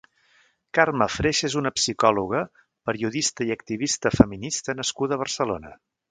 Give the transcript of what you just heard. Carme Freixa és una psicòloga, periodista i activista feminista nascuda a Barcelona.